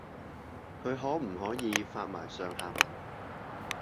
佢可唔可以發埋上下文